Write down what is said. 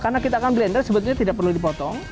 karena kita akan blender sebetulnya tidak perlu dipotong